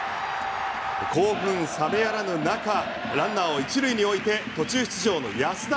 興奮冷めやらぬ中ランナーを１塁に置いて途中出場の安田。